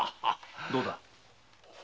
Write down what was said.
どうだ？